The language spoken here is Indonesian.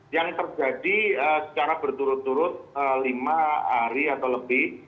yang terjadi secara berturut turut lima hari atau lebih